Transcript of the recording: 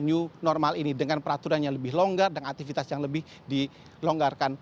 new normal ini dengan peraturan yang lebih longgar dengan aturan yang lebih lengkap dengan aturan yang lebih